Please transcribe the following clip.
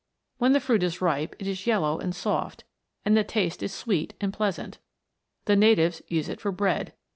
When the fruit is ripe it is yellow and soft, and the taste is sweet and pleasant. The natives use it for bread.